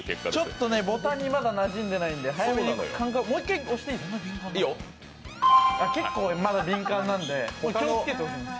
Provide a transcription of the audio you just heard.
ちょっとボタンにまだなじんでないので早めに感覚、もう一回、押していいですか、結構、まだ敏感なので気をつけて押します。